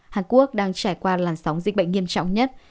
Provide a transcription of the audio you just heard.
hàn quốc đang trải qua làn sóng dịch bệnh nghiêm trọng nhất